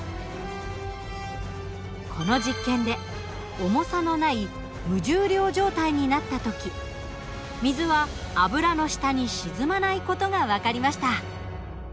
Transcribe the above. この実験で重さのない無重量状態になった時水は油の下に沈まない事が分かりました。